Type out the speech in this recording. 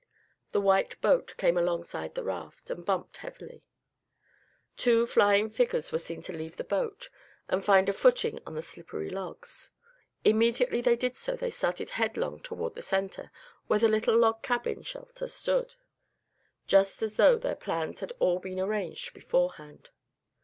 The white boat came alongside the raft, and bumped heavily. Two flying figures were seen to leave the boat, and find a footing on the slippery logs. Immediately they did so they started headlong toward the center where the little log cabin shelter stood; just as though their plans had all been arranged beforehand.